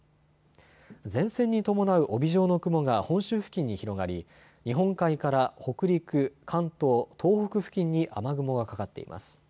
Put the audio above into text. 前線に伴う帯状の雲が本州付近に広がり日本海から北陸、関東、東北付近に雨雲がかかっています。